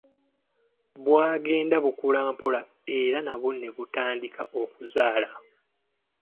Bwagenda bukula mpola era nabwo ne butuuka okuzaala.